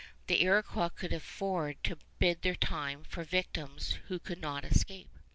The Iroquois could afford to bide their time for victims who could not escape.